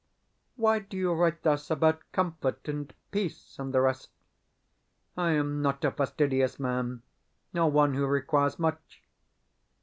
Why do you write thus about "comfort" and "peace" and the rest? I am not a fastidious man, nor one who requires much.